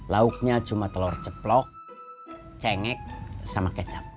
lauknya cuma telur ceplok cengek sama kecap